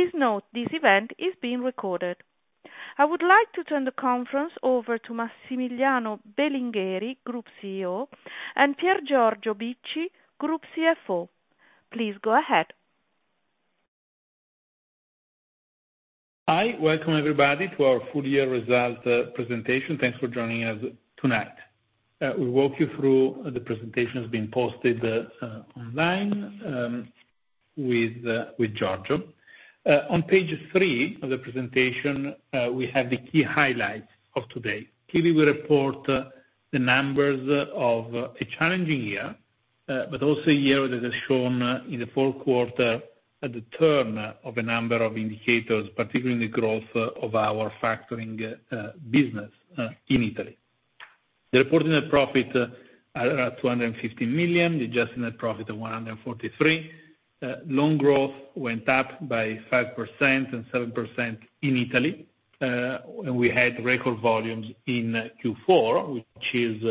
Please note this event is being recorded. I would like to turn the conference over to Massimiliano Belingheri, Group CEO, and Piergiorgio Bicci, Group CFO. Please go ahead. Hi. Welcome, everybody, to our full-year result presentation. Thanks for joining us tonight. We'll walk you through the presentation that's been posted online with Giorgio. On page three of the presentation, we have the key highlights of today. Clearly, we report the numbers of a challenging year, but also a year that has shown, in the fourth quarter, the turn of a number of indicators, particularly in the growth of our factoring business in Italy. The reporting net profit is around 250 million. The adjusted net profit is 143 million. Loan growth went up by 5% and 7% in Italy. We had record volumes in Q4, which is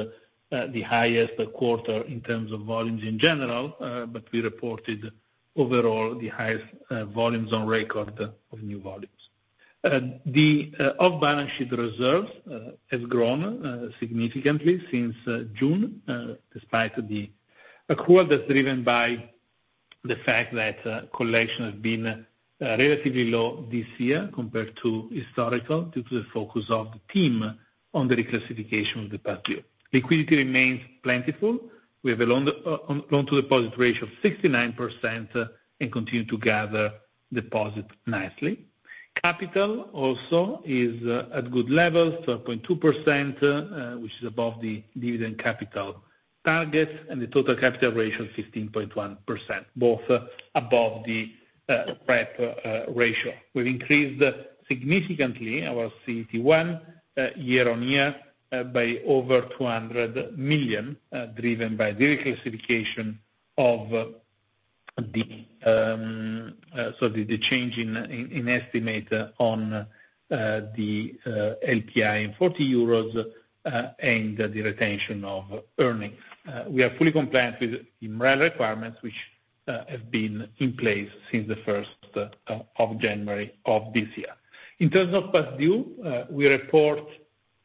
the highest quarter in terms of volumes in general, but we reported, overall, the highest volumes on record of new volumes. The off-balance sheet reserves have grown significantly since June, despite the accrual that's driven by the fact that collections have been relatively low this year compared to historical, due to the focus of the team on the reclassification of the past year. Liquidity remains plentiful. We have a loan-to-deposit ratio of 69% and continue to gather deposits nicely. Capital also is at good levels, 12.2%, which is above the dividend capital target, and the total capital ratio is 15.1%, both above the SREP ratio. We've increased significantly our CET1 year-on-year by over 200 million, driven by the reclassification of the change in estimate on the LPI and €40 and the retention of earnings. We are fully compliant with the relevant requirements, which have been in place since the 1st of January of this year. In terms of past due, we report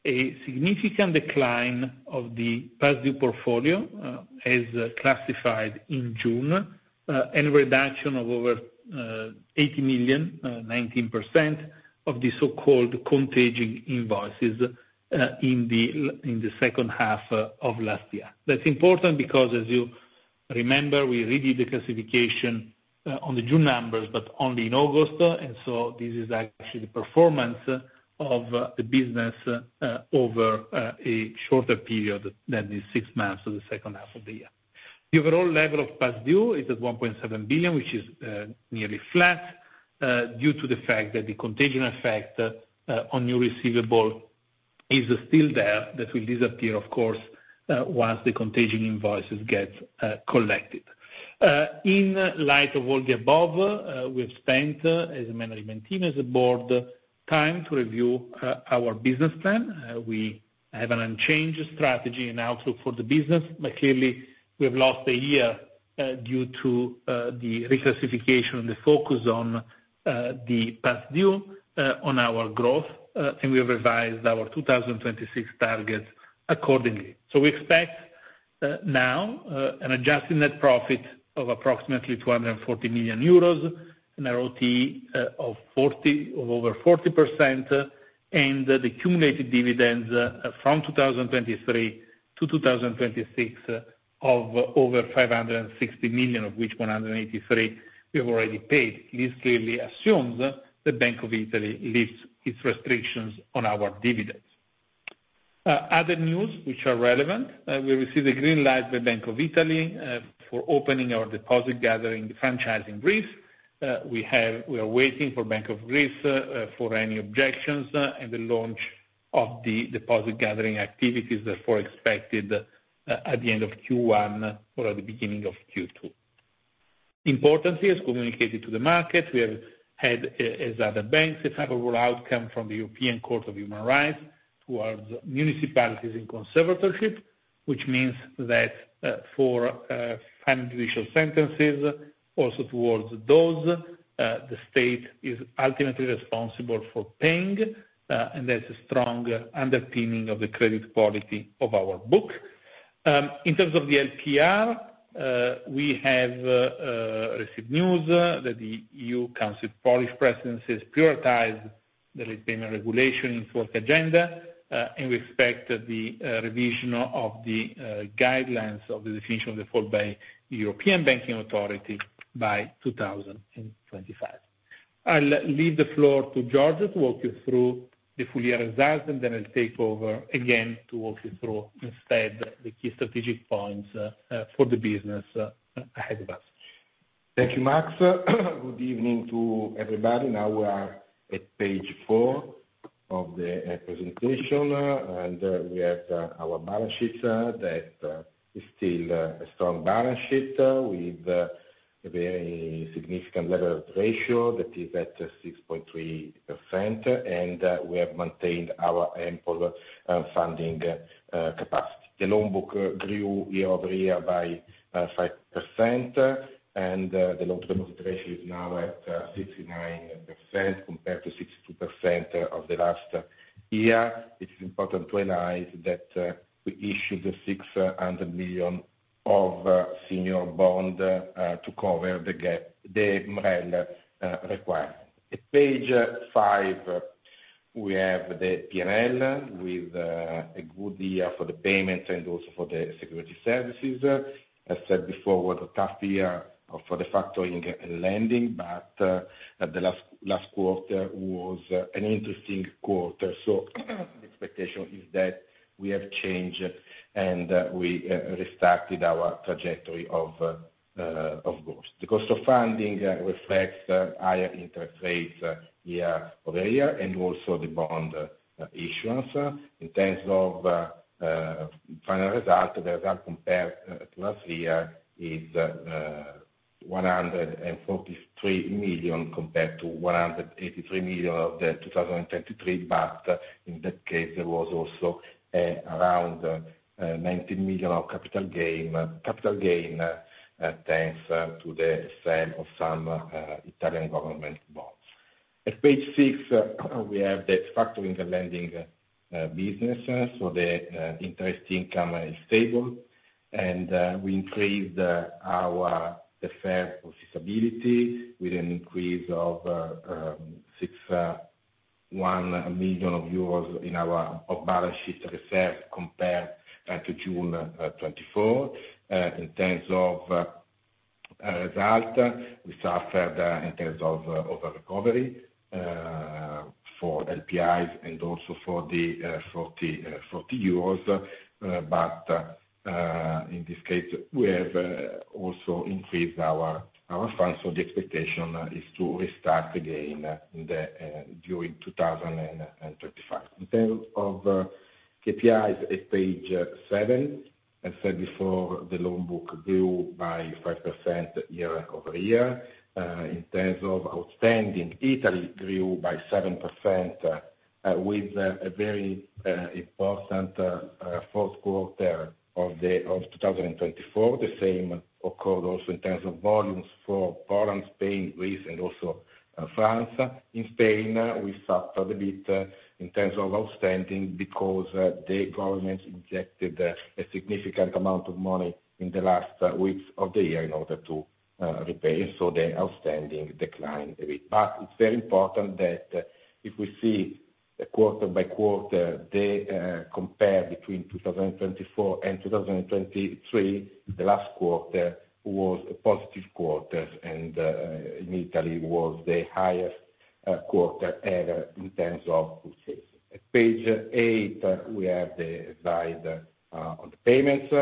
a significant decline of the past due portfolio, as classified in June, and a reduction of over 80 million, 19%, of the so-called contagion invoices in the second half of last year. That's important because, as you remember, we redid the classification on the June numbers, but only in August. And so this is actually the performance of the business over a shorter period than the six months of the second half of the year. The overall level of past due is at 1.7 billion, which is nearly flat, due to the fact that the contagion effect on new receivable is still there, that will disappear, of course, once the contagion invoices get collected. In light of all the above, we have spent, as a management team, as a board, time to review our business plan. We have an unchanged strategy and outlook for the business, but clearly, we have lost a year due to the reclassification and the focus on the past due on our growth, and we have revised our 2026 targets accordingly. So we expect now an adjusted net profit of approximately 240 million euros and an RoTE of over 40%, and the cumulated dividends from 2023 to 2026 of over 560 million, of which 183 million we have already paid. This clearly assumes the Bank of Italy lifts its restrictions on our dividends. Other news which are relevant: we received a green light by Bank of Italy for opening our deposit gathering franchise branches. We are waiting for Bank of Greece for any objections and the launch of the deposit gathering activities that were expected at the end of Q1 or at the beginning of Q2. Importantly, as communicated to the market, we have had, as other banks, a favorable outcome from the European Court of Human Rights towards municipalities in conservatorship, which means that for final judicial sentences, also towards those, the state is ultimately responsible for paying, and that's a strong underpinning of the credit quality of our book. In terms of the LPR, we have received news that the Polish Presidency of the Council of the European Union has prioritized the Late Payment Regulation in its work agenda, and we expect the revision of the guidelines of the Definition of Default by the European Banking Authority by 2025. I'll leave the floor to Giorgio to walk you through the full-year results, and then I'll take over again to walk you through, instead, the key strategic points for the business ahead of us. Thank you, Max. Good evening to everybody. Now we are at page four of the presentation, and we have our balance sheet that is still a strong balance sheet with a very significant level of ratio that is at 6.3%, and we have maintained our ample funding capacity. The loan book grew year over year by 5%, and the loan-to-deposit ratio is now at 69% compared to 62% of the last year. It's important to highlight that we issued €600 million of senior bond to cover the MREL requirement. At page five, we have the P&L with a good year for the payments and also for the security services. As said before, it was a tough year for the factoring and lending, but the last quarter was an interesting quarter, so the expectation is that we have changed and we restarted our trajectory of growth. The cost of funding reflects higher interest rates year over year and also the bond issuance. In terms of final result, the result compared to last year is €143 million compared to €183 million of 2023, but in that case, there was also around €19 million of capital gain thanks to the sale of some Italian government bonds. At page six, we have the factoring and lending business, so the interest income is stable, and we increased our SREP profitability with an increase of €61 million in our off-balance sheet reserves compared to June 2024. In terms of result, we suffered in terms of over-recovery for LPIs and also for the €40, but in this case, we have also increased our funds, so the expectation is to restart again during 2025. In terms of KPIs at page seven, as said before, the loan book grew by 5% year over year. In terms of outstanding, Italy grew by 7% with a very important fourth quarter of 2024. The same occurred also in terms of volumes for Poland, Spain, Greece, and also France. In Spain, we suffered a bit in terms of outstanding because the government injected a significant amount of money in the last weeks of the year in order to repay, so the outstanding declined a bit. But it's very important that if we see quarter by quarter, the comparison between 2024 and 2023, the last quarter was a positive quarter, and in Italy, it was the highest quarter ever in terms of purchases. At page eight, we have the slide on the payments,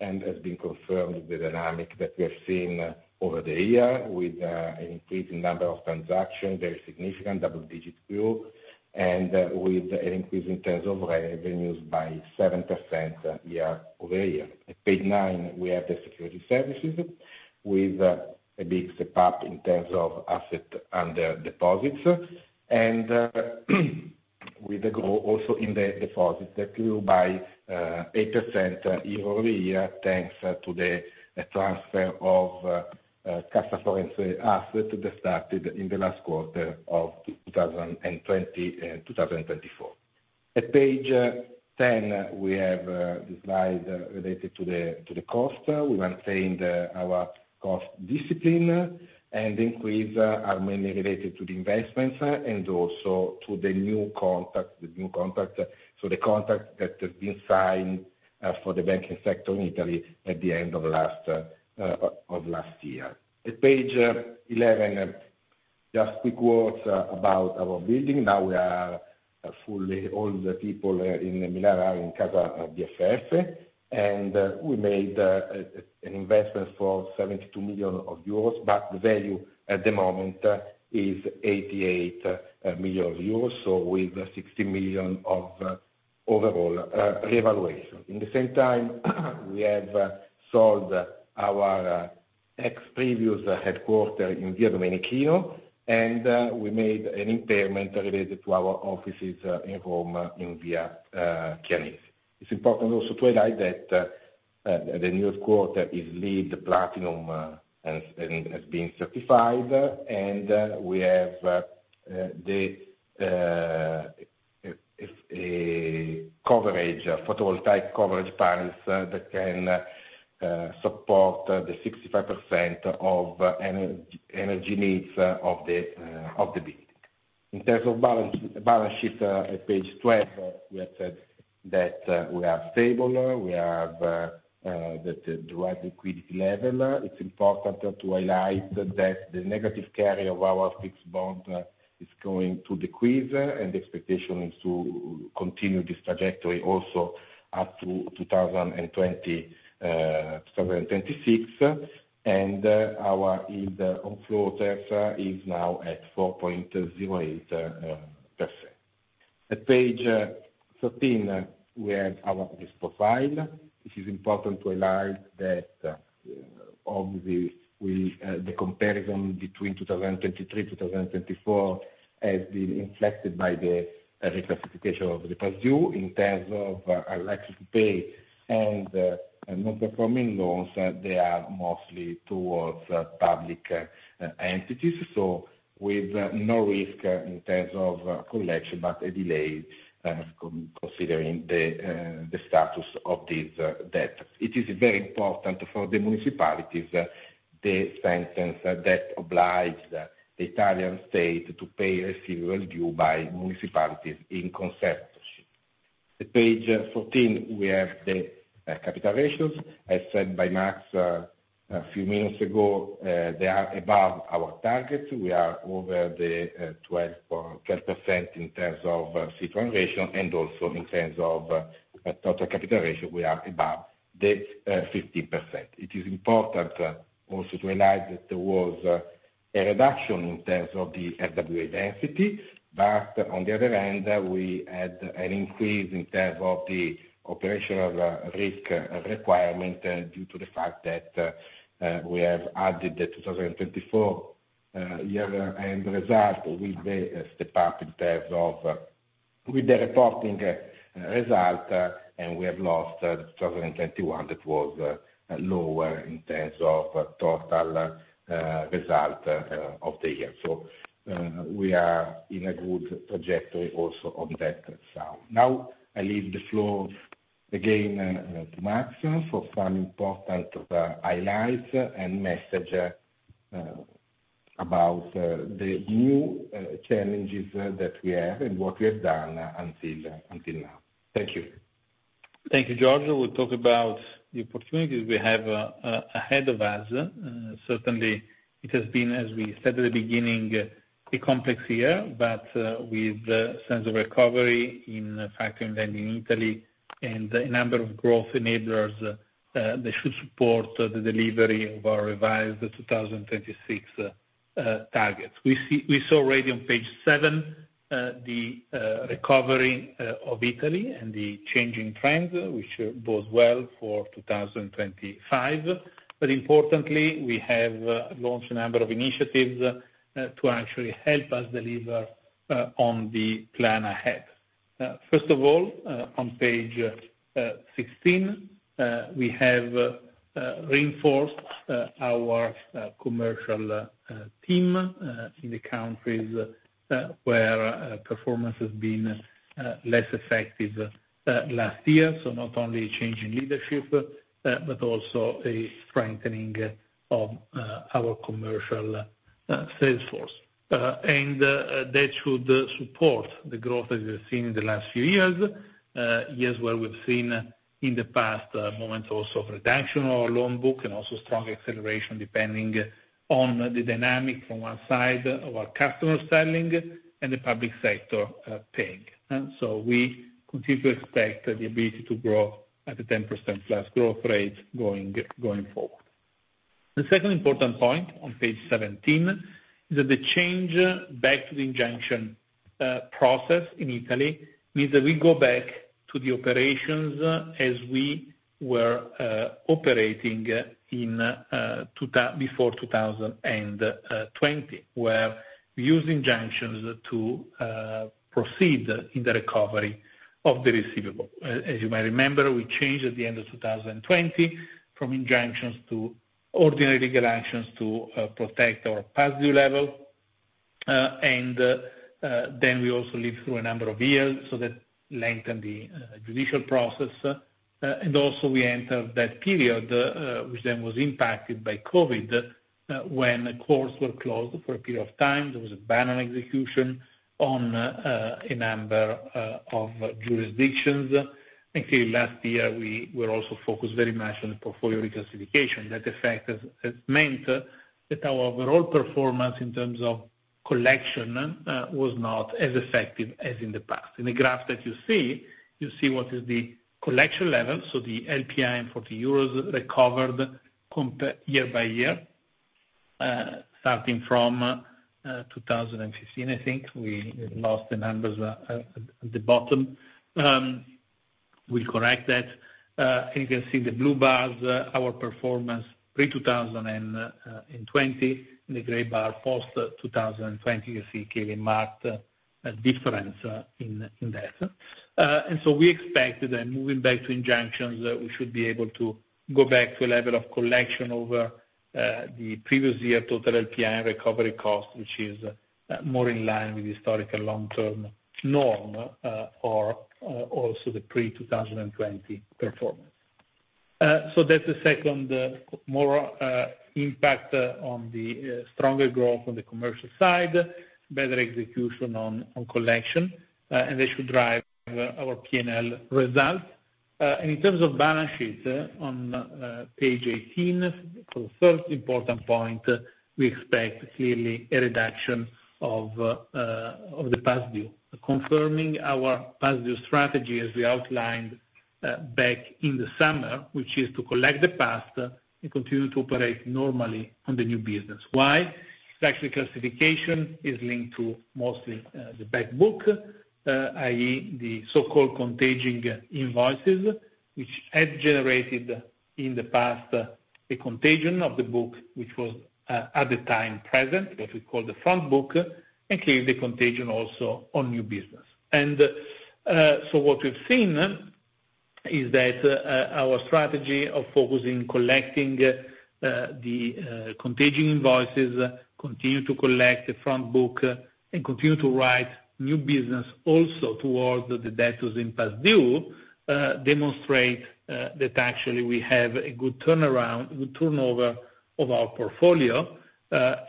and it's been confirmed the dynamics that we have seen over the year with an increasing number of transactions, very significant double-digit growth, and with an increase in terms of revenues by 7% year over year. At page nine, we have the Securities Services with a big step up in terms of assets under deposit and with a growth also in the deposits that grew by 8% year over year thanks to the transfer of customer assets that started in the last quarter of 2020 and 2024. At page 10, we have the slide related to the cost. We maintained our cost discipline, and the increase is mainly related to the investments and also to the new contracts, so the contracts that have been signed for the banking sector in Italy at the end of last year. At page 11, just quick words about our building. Now we are fully all the people in Milan are in Casa BFF, and we made an investment for 72 million euros, but the value at the moment is 88 million euros, so with 60 million of overall revaluation. In the same time, we have sold our ex-previous headquarters in Via Domenichino, and we made an impairment related to our offices in Rome in Via Chianesi. It's important also to highlight that the newest headquarters is LEED Platinum and has been certified, and we have the coverage, photovoltaic coverage panels that can support the 65% of energy needs of the building. In terms of balance sheet, at page 12, we have said that we are stable, we have the right liquidity level. It's important to highlight that the negative carry of our fixed bond is going to decrease, and the expectation is to continue this trajectory also up to 2026, and our yield on floaters is now at 4.08%. At page 13, we have our risk profile. It is important to highlight that, obviously, the comparison between 2023 and 2024 has been affected by the reclassification of the past due. In terms of late payment and non-performing loans, they are mostly towards public entities, so with no risk in terms of collection, but a delay considering the status of these debtors. It is very important for the municipalities, the sentence that obliged the Italian state to pay the sums due by municipalities in conservatorship. At page 14, we have the capital ratios. As said by Max a few minutes ago, they are above our targets. We are over the 12% in terms of CET1 ratio, and also in terms of total capital ratio, we are above the 15%. It is important also to highlight that there was a reduction in terms of the RWA density, but on the other end, we had an increase in terms of the operational risk requirement due to the fact that we have added the 2024 year-end result with the step up in terms of with the reporting result, and we have lost the 2021 that was lower in terms of total result of the year. So we are in a good trajectory also on that side. Now I leave the floor again to Max for some important highlights and message about the new challenges that we have and what we have done until now. Thank you. Thank you, Giorgio. We'll talk about the opportunities we have ahead of us. Certainly, it has been, as we said at the beginning, a complex year, but with the sense of recovery in factoring and lending in Italy and a number of growth enablers that should support the delivery of our revised 2026 targets. We saw already on page seven the recovery of Italy and the changing trends, which bode well for 2025. But importantly, we have launched a number of initiatives to actually help us deliver on the plan ahead. First of all, on page 16, we have reinforced our commercial team in the countries where performance has been less effective last year, so not only a change in leadership, but also a strengthening of our commercial sales force. And that should support the growth that we have seen in the last few years, years where we've seen in the past moments also of reduction of our loan book and also strong acceleration depending on the dynamic from one side of our customer selling and the public sector paying. So we continue to expect the ability to grow at a 10% plus growth rate going forward. The second important point on page 17 is that the change back to the injunction process in Italy means that we go back to the operations as we were operating before 2020, where we used injunctions to proceed in the recovery of the receivable. As you may remember, we changed at the end of 2020 from injunctions to ordinary legal actions to protect our past due level, and then we also lived through a number of years so that lengthened the judicial process. And also we entered that period, which then was impacted by COVID, when courts were closed for a period of time. There was a ban on execution on a number of jurisdictions. And clearly, last year, we were also focused very much on the portfolio reclassification. That effect has meant that our overall performance in terms of collection was not as effective as in the past. In the graph that you see, you see what is the collection level, so the LPI and €40 recovered year by year, starting from 2015, I think. We lost the numbers at the bottom. We'll correct that. And you can see in the blue bars our performance pre-2020, and the gray bar post-2020, you can see clearly marked difference in that. We expect that moving back to injunctions, we should be able to go back to a level of collection over the previous year total LPI recovery cost, which is more in line with the historical long-term norm or also the pre-2020 performance. That's the second major impact on the stronger growth on the commercial side, better execution on collection, and that should drive our P&L result. In terms of balance sheet, on page 18, for the third important point, we expect clearly a reduction of the past due. Confirming our past due strategy as we outlined back in the summer, which is to collect the past and continue to operate normally on the new business. Why? Factoring classification is linked to mostly the back book, i.e., the so-called contagion invoices, which had generated in the past a contagion of the book, which was at the time present, what we call the front book, and clearly the contagion also on new business. And so what we've seen is that our strategy of focusing on collecting the contagion invoices, continue to collect the front book, and continue to write new business also towards the debtors in past due demonstrates that actually we have a good turnaround, good turnover of our portfolio,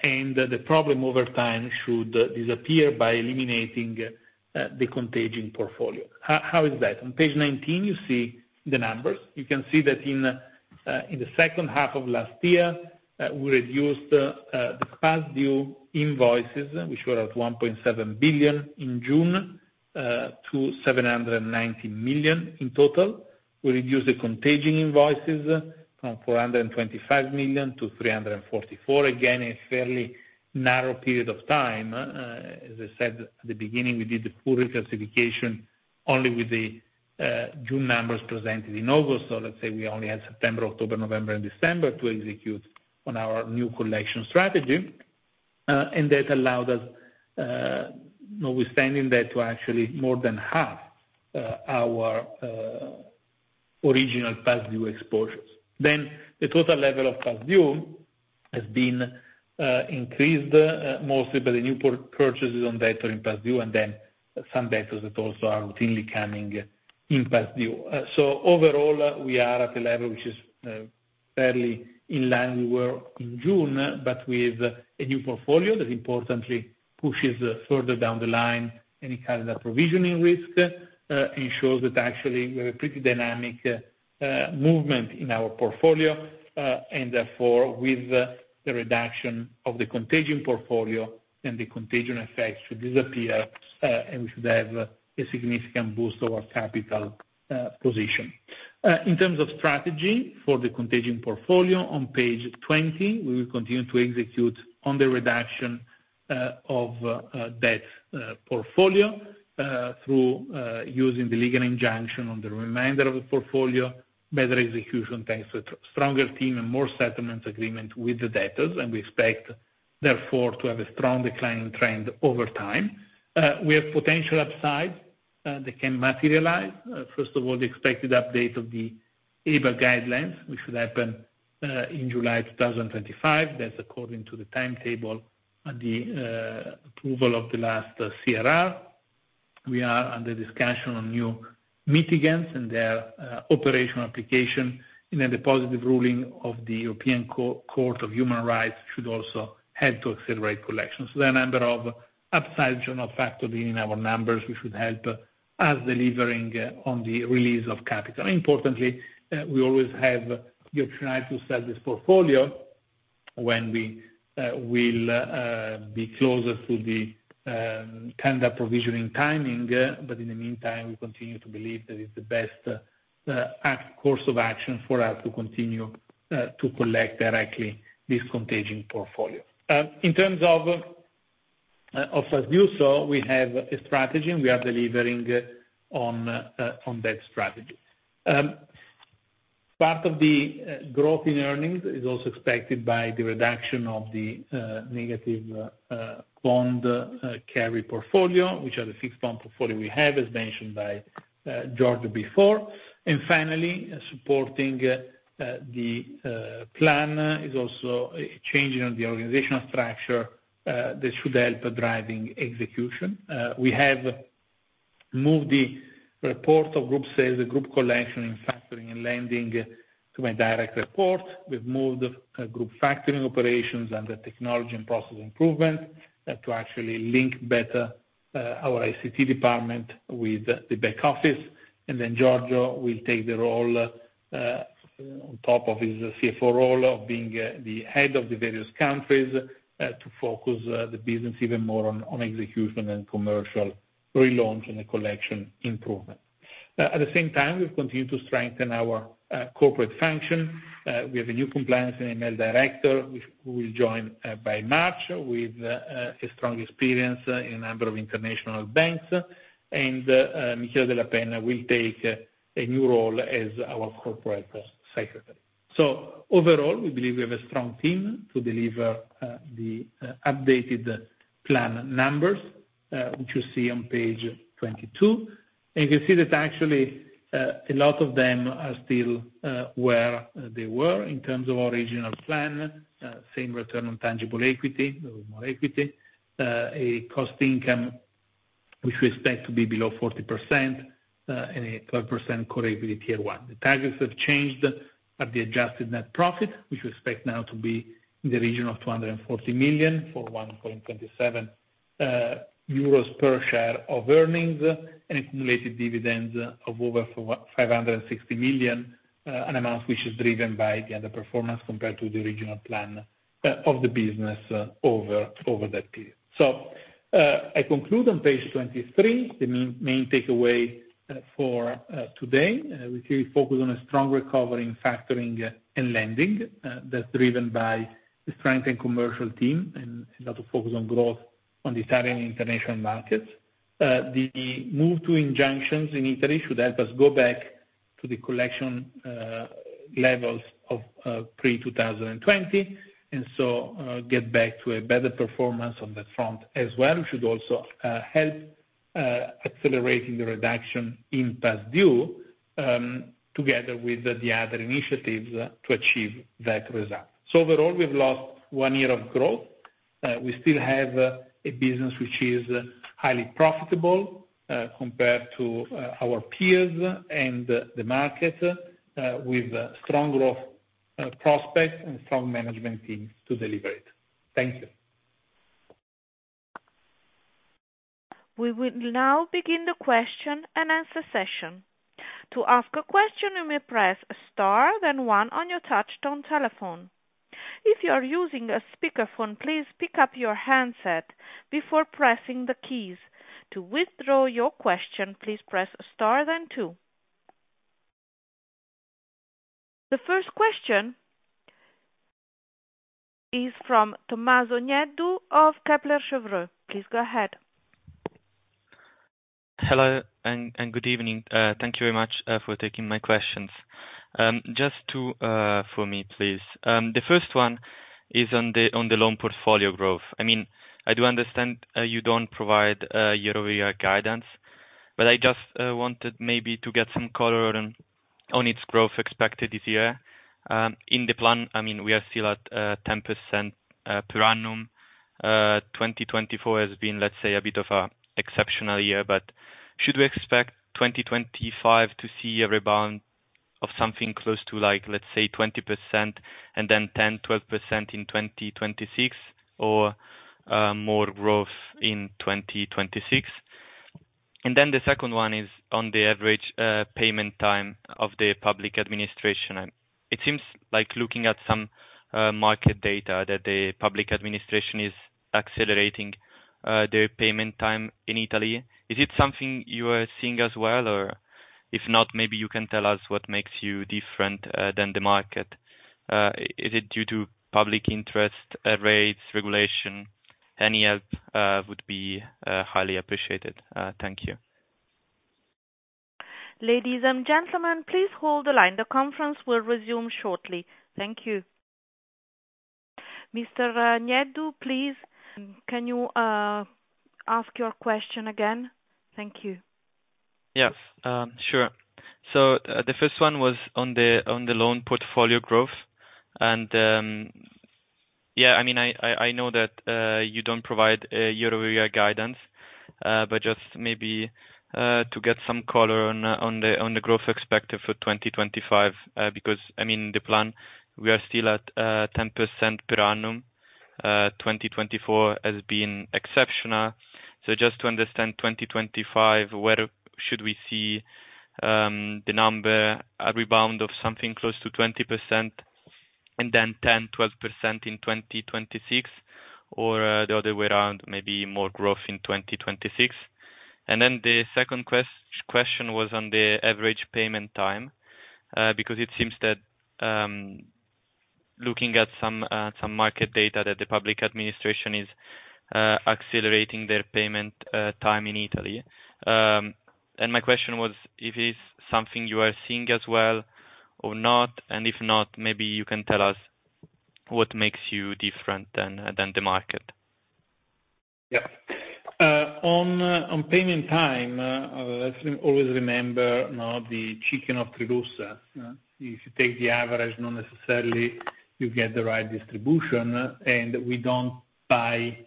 and the problem over time should disappear by eliminating the contagion portfolio. How is that? On page 19, you see the numbers. You can see that in the second half of last year, we reduced the past due invoices, which were at 1.7 billion in June, to 790 million in total. We reduced the contagion invoices from 425 million to 344 million, again, a fairly narrow period of time. As I said at the beginning, we did the full reclassification only with the June numbers presented in August, so let's say we only had September, October, November, and December to execute on our new collection strategy. And that allowed us, notwithstanding that, to actually more than half our original past due exposures. Then the total level of past due has been increased, mostly by the new purchases on debtor in past due and then some debtors that also are routinely coming in past due. So overall, we are at a level which is fairly in line with where we were in June, but with a new portfolio that importantly pushes further down the line any kind of provisioning risk and shows that actually we have a pretty dynamic movement in our portfolio. Therefore, with the reduction of the contagion portfolio and the contagion effects should disappear, and we should have a significant boost of our capital position. In terms of strategy for the contagion portfolio, on page 20, we will continue to execute on the reduction of the contagion portfolio through using the legal injunction on the remainder of the portfolio, better execution thanks to a stronger team and more settlement agreements with the debtors, and we expect therefore to have a strong declining trend over time. We have potential upside that can materialize. First of all, the expected update of the EBA guidelines, which should happen in July 2025. That's according to the timetable at the approval of the last CRR. We are under discussion on new mitigants and their operational application, and then the positive ruling of the European Court of Human Rights should also help to accelerate collection. There are a number of upside general factors in our numbers which should help us delivering on the release of capital. Importantly, we always have the option to sell this portfolio when we will be closer to the tender provisioning timing, but in the meantime, we continue to believe that it's the best course of action for us to continue to collect directly this contagion portfolio. In terms of past due, so we have a strategy, and we are delivering on that strategy. Part of the growth in earnings is also expected by the reduction of the negative bond carry portfolio, which are the fixed bond portfolio we have, as mentioned by Giorgio before. And finally, supporting the plan is also a change in the organizational structure that should help driving execution. We have moved the report of group sales, the group collection in factoring and lending to my direct report. We've moved group factoring operations under technology and process improvement to actually link better our ICT department with the back office. And then Giorgio will take the role on top of his CFO role of being the head of the various countries to focus the business even more on execution and commercial relaunch and the collection improvement. At the same time, we've continued to strengthen our corporate function. We have a new compliance and AML director, which will join by March with a strong experience in a number of international banks, and Michele de la Peña will take a new role as our corporate secretary. So overall, we believe we have a strong team to deliver the updated plan numbers, which you see on page 22. You can see that actually a lot of them are still where they were in terms of original plan, same return on tangible equity, more equity, a Cost/Income which we expect to be below 40%, and a 12% Core Equity Tier 1. Touch-tone telephone the targets have changed at the adjusted net profit, which we expect now to be in the region of 240 million for 1.27 euros per share of earnings and accumulated dividends of over 560 million, an amount which is driven by the underperformance compared to the original plan of the business over that period. I conclude on page 23, the main takeaway for today. We clearly focus on a strong recovery in factoring and lending that's driven by the strengthened commercial team and a lot of focus on growth on the Italian international markets. The move to injunctions in Italy should help us go back to the collection levels of pre-2020 and so get back to a better performance on that front as well. It should also help accelerating the reduction in past due together with the other initiatives to achieve that result. So overall, we've lost one year of growth. We still have a business which is highly profitable compared to our peers and the market with strong growth prospects and strong management teams to deliver it. Thank you. We will now begin the question and answer session. To ask a question, you may press star then one on your touch-tone telephone. If you are using a speakerphone, please pick up your handset before pressing the keys. To withdraw your question, please press star then two. The first question is from Tommaso Nieddu of Kepler Cheuvreux. Please go ahead. Hello and good evening. Thank you very much for taking my questions. Just two for me, please. The first one is on the loan portfolio growth. I mean, I do understand you don't provide year-over-year guidance, but I just wanted maybe to get some color on its growth expected this year. In the plan, I mean, we are still at 10% per annum. 2024 has been, let's say, a bit of an exceptional year, but should we expect 2025 to see a rebound of something close to, let's say, 20% and then 10, 12% in 2026 or more growth in 2026? And then the second one is on the average payment time of the public administration. It seems like looking at some market data that the public administration is accelerating their payment time in Italy. Is it something you are seeing as well, or if not, maybe you can tell us what makes you different than the market? Is it due to public interest rates, regulation? Any help would be highly appreciated. Thank you. Ladies and gentlemen, please hold the line. The conference will resume shortly. Thank you. Mr. Nieddu, please. Can you ask your question again? Thank you. Yes, sure. So the first one was on the loan portfolio growth. And yeah, I mean, I know that you don't provide year-over-year guidance, but just maybe to get some color on the growth expected for 2025, because I mean, the plan, we are still at 10% per annum. 2024 has been exceptional. So just to understand 2025, where should we see the number rebound of something close to 20% and then 10-12% in 2026, or the other way around, maybe more growth in 2026? And then the second question was on the average payment time, because it seems that, looking at some market data, that the public administration is accelerating their payment time in Italy. And my question was if it is something you are seeing as well or not, and if not, maybe you can tell us what makes you different than the market. Yep. On payment time, I always remember the chicken or the egg. If you take the average, not necessarily you get the right distribution, and we don't buy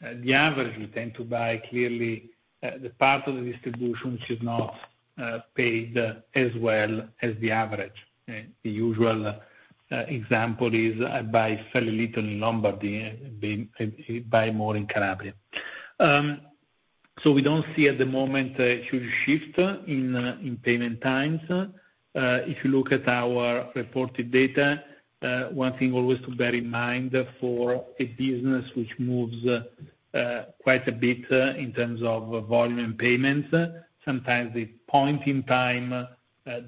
the average. We tend to buy clearly the part of the distribution which is not paid as well as the average. The usual example is I buy fairly little in Lombardy, buy more in Calabria. So we don't see at the moment a huge shift in payment times. If you look at our reported data, one thing always to bear in mind for a business which moves quite a bit in terms of volume and payments, sometimes the point-in-time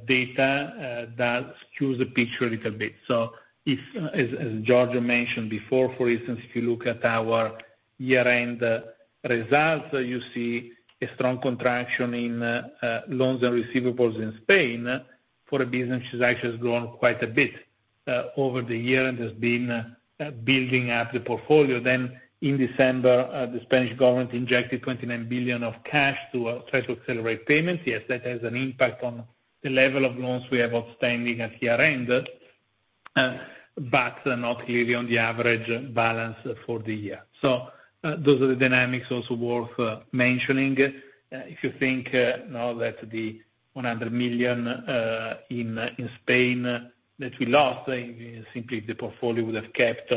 data does skew the picture a little bit. So as Giorgio mentioned before, for instance, if you look at our year-end results, you see a strong contraction in loans and receivables in Spain for a business which has actually grown quite a bit over the year and has been building up the portfolio. Then in December, the Spanish government injected 29 billion EUR of cash to try to accelerate payments. Yes, that has an impact on the level of loans we have outstanding at year-end, but not clearly on the average balance for the year. So those are the dynamics also worth mentioning. If you think that the 100 million EUR in Spain that we lost, simply the portfolio would have kept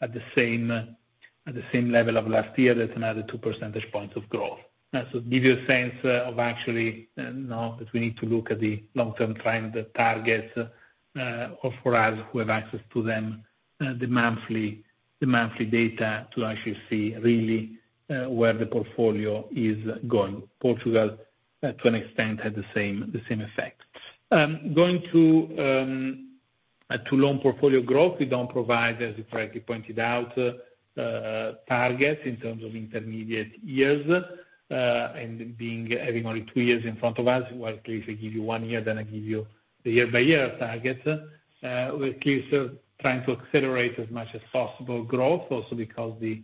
at the same level of last year, that's another two percentage points of growth. So it gives you a sense of actually that we need to look at the long-term trend targets for us who have access to the monthly data to actually see really where the portfolio is going. Portugal to an extent had the same effect. Going to loan portfolio growth, we don't provide, as you correctly pointed out, targets in terms of intermediate years. And having only two years in front of us, well, at least I give you one year, then I give you the year-by-year target. We're clearly trying to accelerate as much as possible growth, also because the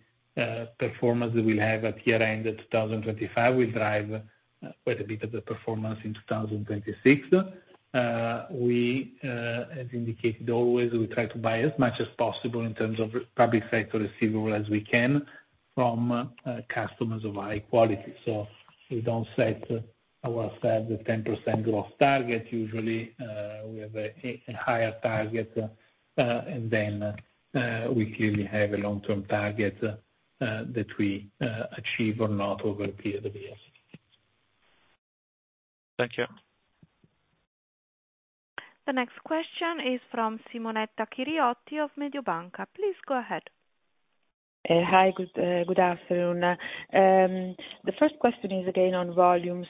performance that we'll have at year-end 2025 will drive quite a bit of the performance in 2026. We, as indicated always, we try to buy as much as possible in terms of public sector receivable as we can from customers of high quality. So we don't set our 10% growth target. Usually, we have a higher target, and then we clearly have a long-term target that we achieve or not over a period of years. Thank you. The next question is from Simonetta Chiriotti of Mediobanca. Please go ahead. Hi, good afternoon. The first question is again on volumes.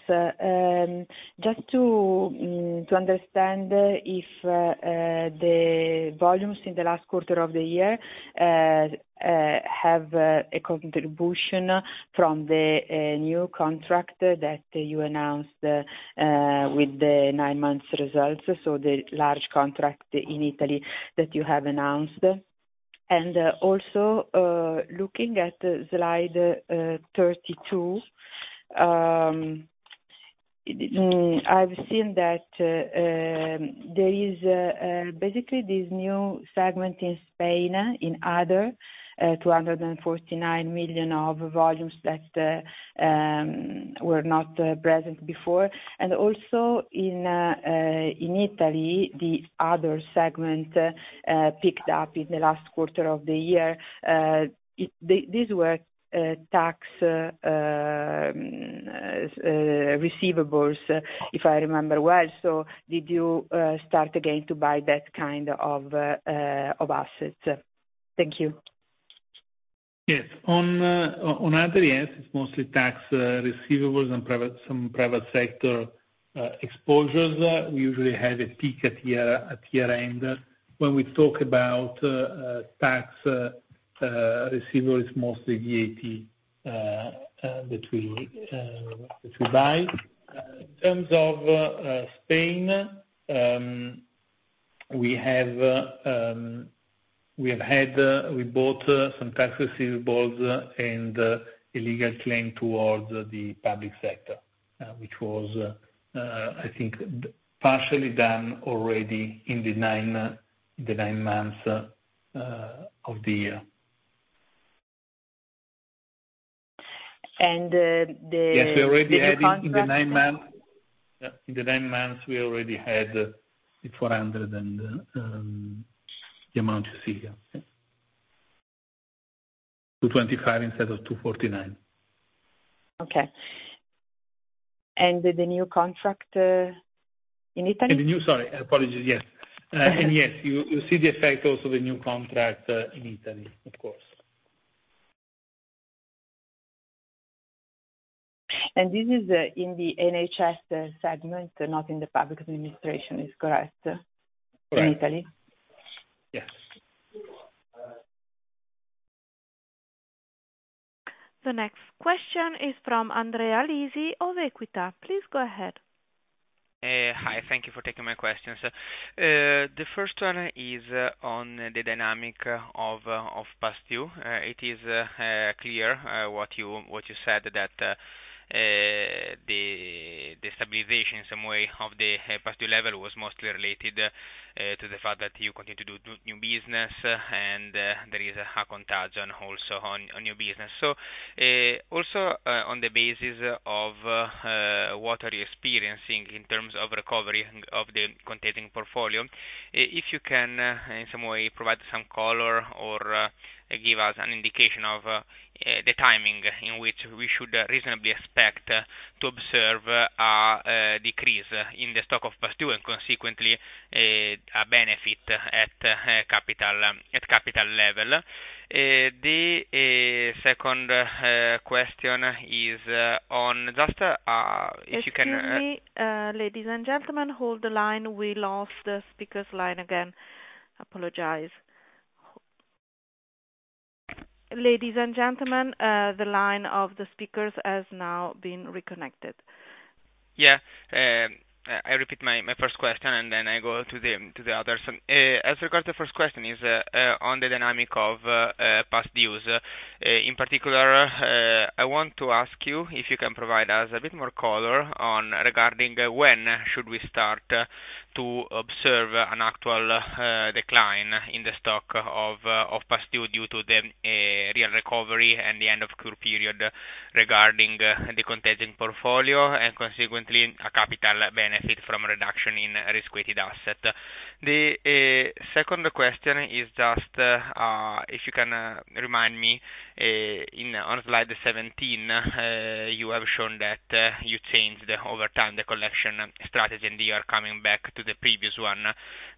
Just to understand if the volumes in the last quarter of the year have a contribution from the new contract that you announced with the nine-month results, so the large contract in Italy that you have announced. And also looking at slide 32, I've seen that there is basically this new segment in Spain in other 249 million of volumes that were not present before. And also in Italy, the other segment picked up in the last quarter of the year. These were tax receivables, if I remember well. So did you start again to buy that kind of assets? Thank you. Yes. On other years, it's mostly tax receivables and some private sector exposures. We usually have a peak at year-end. When we talk about tax receivables, it's mostly VAT that we buy. In terms of Spain, we bought some tax receivables and a legal claim towards the public sector, which was, I think, partially done already in the nine months of the year. And the. Yes, we already had in the nine months the 400 and the amount you see here. 225 instead of 249. Okay. And the new contract in Italy? Yes. And yes, you see the effect also of the new contract in Italy, of course. This is in the NHS segment, not in the public administration, is correct? Correct. In Italy? Yes. The next question is from Andrea Lisi of Equita. Please go ahead. Hi. Thank you for taking my questions. The first one is on the dynamic of past due. It is clear what you said, that the stabilization in some way of the past due level was mostly related to the fact that you continue to do new business and there is a lack of contagion also on new business. So also on the basis of what are you experiencing in terms of recovery of the contagion portfolio, if you can in some way provide some color or give us an indication of the timing in which we should reasonably expect to observe a decrease in the stock of past due and consequently a benefit at capital level. The second question is on just if you can. Ladies and gentlemen, hold the line. We lost the speaker's line again. Apologize. Ladies and gentlemen, the line of the speakers has now been reconnected. Yeah. I repeat my first question and then I go to the others. As regards the first question, which is on the dynamics of past dues. In particular, I want to ask you if you can provide us a bit more color regarding when should we start to observe an actual decline in the stock of past due due to the real recovery and the end of the current period regarding the contagion portfolio and consequently a capital benefit from a reduction in risk-weighted asset. The second question is just if you can remind me on slide 17, you have shown that you changed over time the collection strategy and you are coming back to the previous one.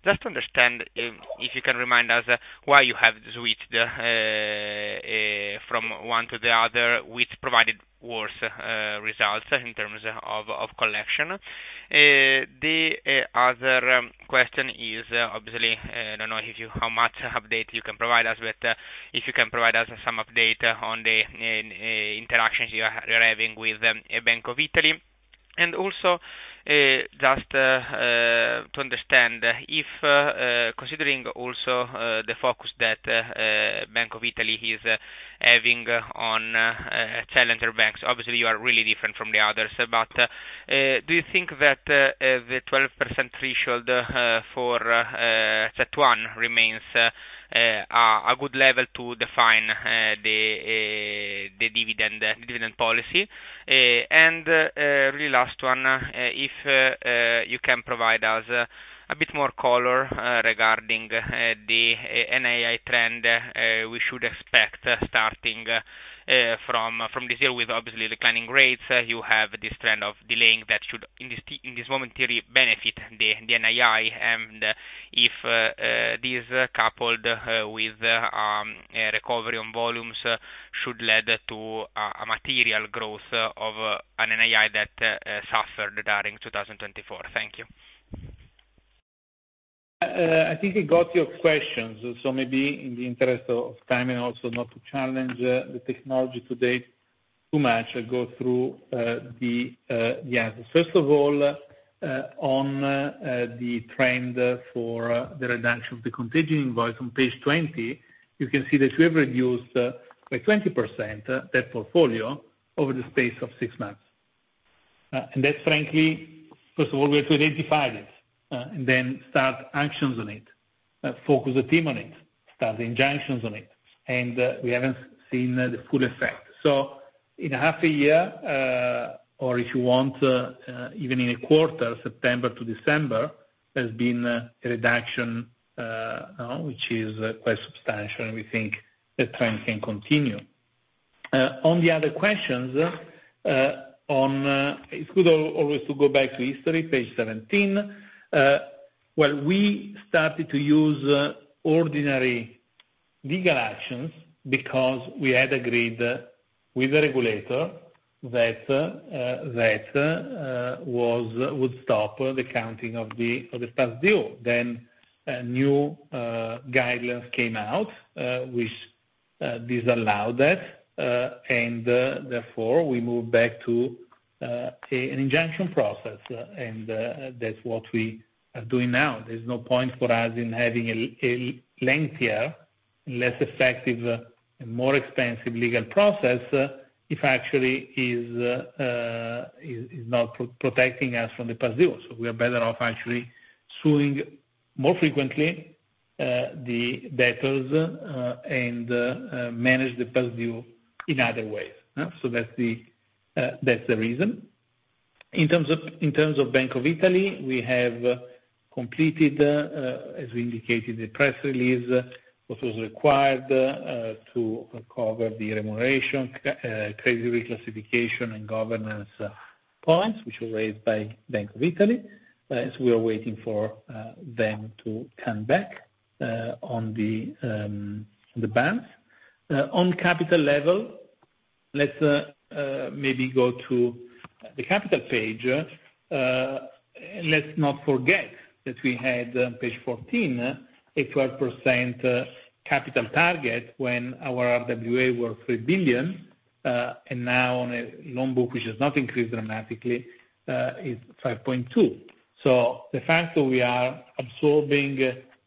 Just to understand if you can remind us why you have switched from one to the other, which provided worse results in terms of collection. The other question is obviously, I don't know how much update you can provide us, but if you can provide us some update on the interactions you are having with Bank of Italy? And also just to understand if considering also the focus that Bank of Italy is having on challenger banks, obviously you are really different from the others, but do you think that the 12% threshold for CET1 remains a good level to define the dividend policy? And really last one, if you can provide us a bit more color regarding the NII trend we should expect starting from this year with obviously declining rates, you have this trend of delaying that should in this moment really benefit the NII, and if this coupled with a recovery on volumes should lead to a material growth of an NII that suffered during 2024. Thank you. I think we got your questions. So maybe in the interest of time and also not to challenge the technology today too much, I'll go through the answers. First of all, on the trend for the reduction of the contagion invoice on page 20, you can see that we have reduced by 20% that portfolio over the space of six months. And that's frankly, first of all, we have to identify it and then start actions on it, focus the team on it, start the injunctions on it. And we haven't seen the full effect. So in half a year, or if you want, even in a quarter, September to December, there's been a reduction which is quite substantial, and we think the trend can continue. On the other questions, it's good always to go back to history, page 17. We started to use ordinary legal actions because we had agreed with the regulator that would stop the counting of the past due. Then new guidelines came out, which disallowed that, and therefore we moved back to an injunction process, and that's what we are doing now. There's no point for us in having a lengthier, less effective, and more expensive legal process if actually it's not protecting us from the past due. So we are better off actually suing more frequently the debtors and manage the past due in other ways. So that's the reason. In terms of Bank of Italy, we have completed, as we indicated in the press release, what was required to cover the remuneration, credit reclassification, and governance points which were raised by Bank of Italy. So we are waiting for them to come back on the balance. On capital level, let's maybe go to the capital page. Let's not forget that we had on page 14 a 12% capital target when our RWA were €3 billion, and now on a loan book which has not increased dramatically, it's €5.2 billion, so the fact that we are absorbing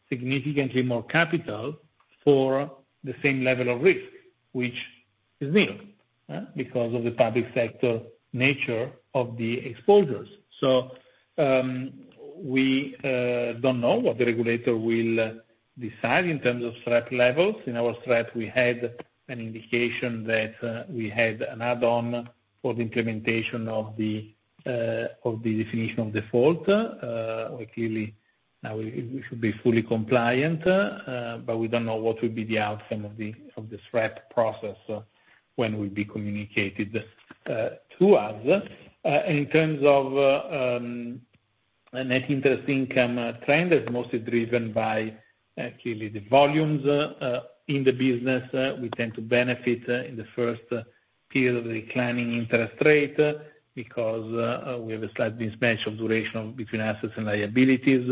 significantly more capital for the same level of risk, which is new because of the public sector nature of the exposures, so we don't know what the regulator will decide in terms of SREP levels. In our SREP, we had an indication that we had an add-on for the implementation of the Definition of Default. We clearly now should be fully compliant, but we don't know what will be the outcome of this SREP process when it will be communicated to us, and in terms of net interest income trend, it's mostly driven by clearly the volumes in the business. We tend to benefit in the first period of the declining interest rate because we have a slight mismatch of duration between assets and liabilities,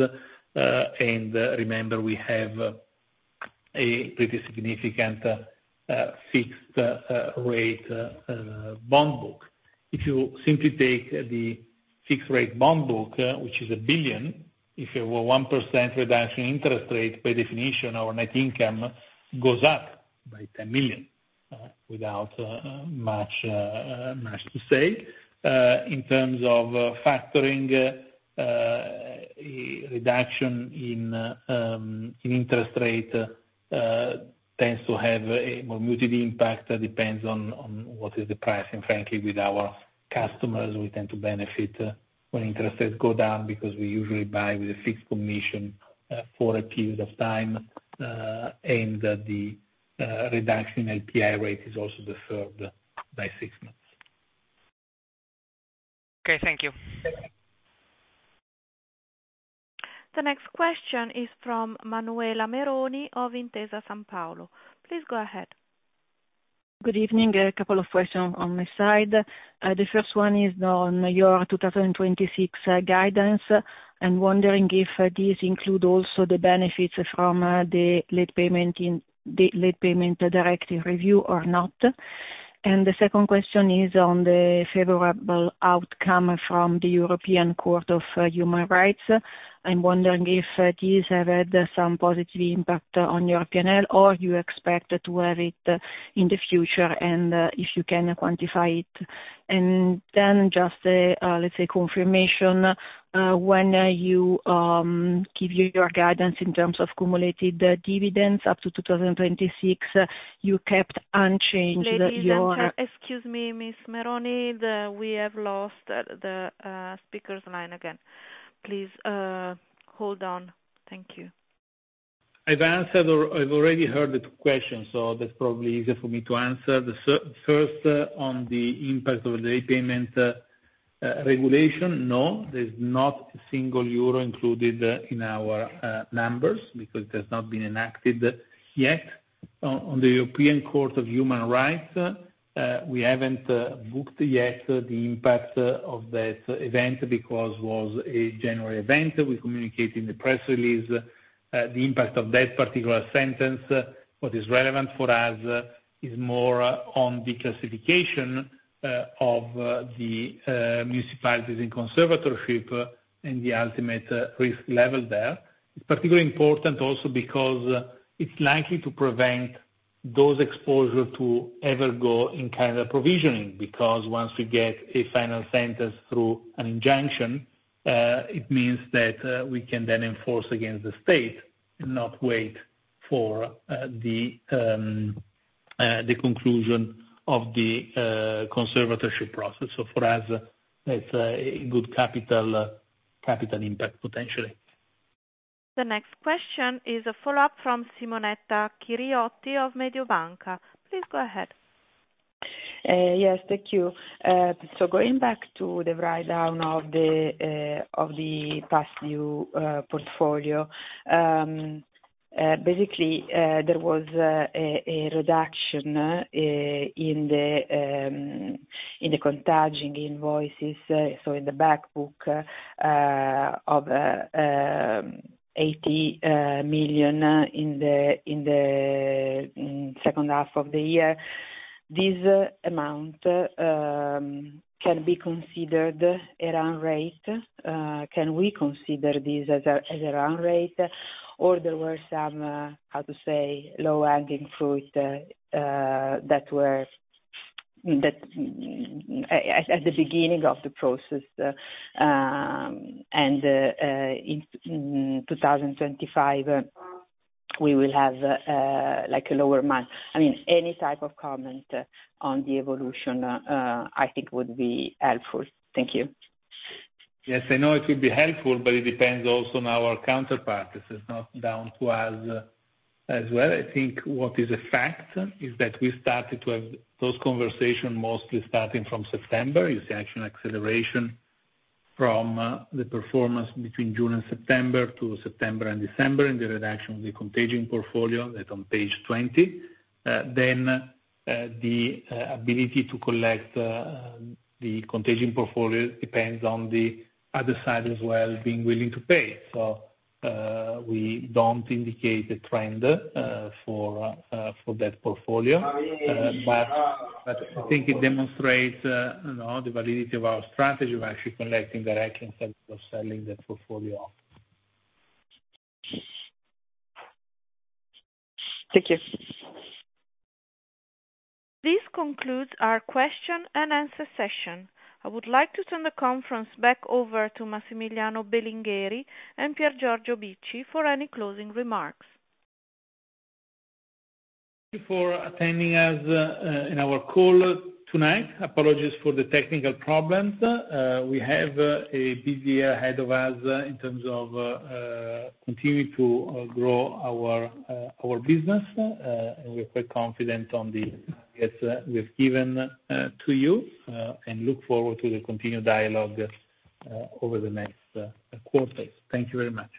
and remember, we have a pretty significant fixed rate bond book. If you simply take the fixed rate bond book, which is €1 billion, if you have a 1% reduction in interest rate, by definition, our net income goes up by €10 million without much to say. In terms of factoring, reduction in interest rate tends to have a more muted impact. It depends on what is the price, and frankly, with our customers, we tend to benefit when interest rates go down because we usually buy with a fixed commission for a period of time, and the reduction in LPI rate is also deferred by six months. Okay. Thank you. The next question is from Manuela Meroni of Intesa Sanpaolo. Please go ahead. Good evening. A couple of questions on my side. The first one is on your 2026 guidance and wondering if these include also the benefits from the late payment directive review or not, and the second question is on the favorable outcome from the European Court of Human Rights. I'm wondering if these have had some positive impact on your P&L or you expect to have it in the future and if you can quantify it. And then just, let's say, confirmation, when you give your guidance in terms of cumulative dividends up to 2026, you kept unchanged your. Excuse me, Ms. Meroni, we have lost the speaker's line again. Please hold on. Thank you. I've already heard the two questions, so that's probably easier for me to answer. The first on the impact of the Late Payment Regulation, no, there's not a single euro included in our numbers because it has not been enacted yet. On the European Court of Human Rights, we haven't booked yet the impact of that event because it was a January event. We communicated in the press release the impact of that particular sentence. What is relevant for us is more on the classification of the municipality's conservatorship and the ultimate risk level there. It's particularly important also because it's likely to prevent those exposures to ever go in kind of provisioning because once we get a final sentence through an injunction, it means that we can then enforce against the state and not wait for the conclusion of the conservatorship process. For us, that's a good capital impact potentially. The next question is a follow-up from Simonetta Chiriotti of Mediobanca. Please go ahead. Yes. Thank you. So going back to the write-down of the past due portfolio, basically, there was a reduction in the contagion invoices, so in the backbook of 80 million in the second half of the year. This amount can be considered a run rate? Can we consider this as a run rate? Or there were some, how to say, low-hanging fruit that were at the beginning of the process, and in 2025, we will have a lower run rate? I mean, any type of comment on the evolution, I think, would be helpful. Thank you. Yes. I know it would be helpful, but it depends also on our counterparts. This is not down to us as well. I think what is a fact is that we started to have those conversations mostly starting from September. You see actual acceleration from the performance between June and September to September and December in the reduction of the contagion portfolio that's on page 20. Then the ability to collect the contagion portfolio depends on the other side as well being willing to pay. So we don't indicate a trend for that portfolio, but I think it demonstrates the validity of our strategy of actually collecting direct instead of selling that portfolio. Thank you. This concludes our question and answer session. I would like to turn the conference back over to Massimiliano Belingheri and Piergiorgio Bicci for any closing remarks. Thank you for attending us in our call tonight. Apologies for the technical problems. We have a busy year ahead of us in terms of continuing to grow our business, and we're quite confident on the targets we've given to you and look forward to the continued dialogue over the next quarter. Thank you very much.